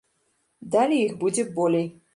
Далей іх будзе болей.